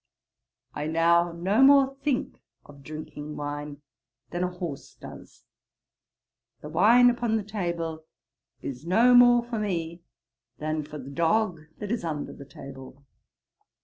I now no more think of drinking wine, than a horse does. The wine upon the table is no more for me, than for the dog that is under the table.'